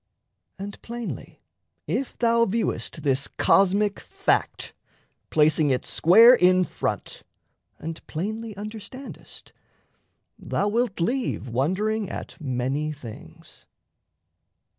And plainly if thou viewest This cosmic fact, placing it square in front, And plainly understandest, thou wilt leave Wondering at many things.